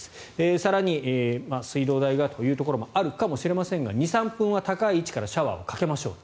更に水道代がというところもあるかもしれませんが２３分は高い位置からシャワーをかけましょう。